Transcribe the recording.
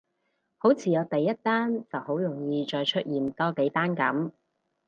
好似有第一單就好容易再出現多幾單噉